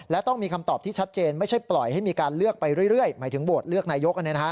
และต้องมีคำตอบที่ชัดเจนไม่ใช่ปล่อยให้มีการเลือกไปเรื่อยหมายถึงโหวตเลือกนายก